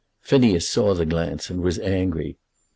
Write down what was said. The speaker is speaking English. Phineas saw the glance, and was angry.